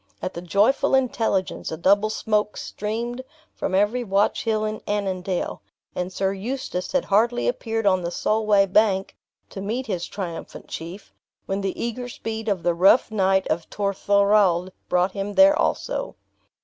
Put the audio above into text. At the joyful intelligence a double smoke streamed from every watch hill in Annandale; and Sir Eustace had hardly appeared on the Solway bank, to meet his triumphant chief, when the eager speed of the rough knight of Torthorald brought him there also.